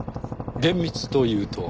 厳密というと？